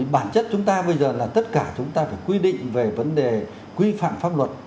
bản chất chúng ta bây giờ là tất cả chúng ta phải quy định về vấn đề quy phạm pháp luật